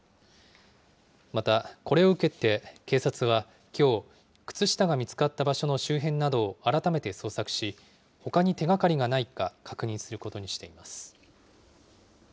また、これを受けて警察はきょう、靴下が見つかった場所の周辺などを改めて捜索し、ほかに手がかりがないか確認することにしています。